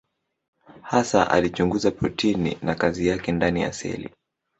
Hasa alichunguza protini na kazi yake ndani ya seli.